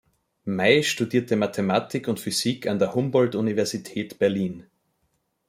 Mey studierte Mathematik und Physik an der Humboldt Universität Berlin.